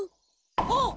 あっ。